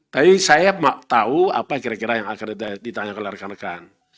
tapi saya tahu apa kira kira yang akan ditanyakan oleh rekan rekan